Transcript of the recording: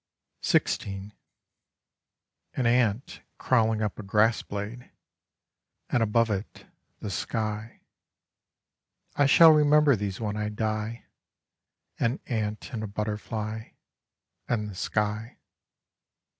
XVI An ant crawling up a grass blade, And above it, the sky. I shall remember these when I die: An ant and a butterfly And the sky.